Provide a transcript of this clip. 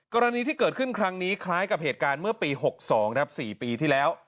กรณีที่เกิดขึ้นครั้งนี้คล้ายกับเหตุการณ์เมื่อปี๖๒ครับ๔ปีที่แล้ว